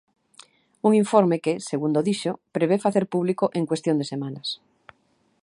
Un informe que, segundo dixo, prevé facer público en cuestión de semanas.